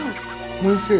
おいしい！